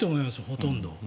ほとんど。